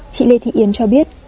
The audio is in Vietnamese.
chị lê thị yến cho biết